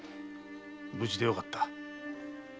無事でよかった。